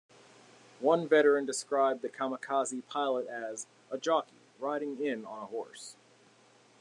One veteran described the kamikaze pilot as: a jockey riding in on a horse.